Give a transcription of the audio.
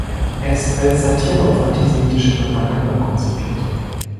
Er ist als Satire auf antisemitische Propaganda konzipiert.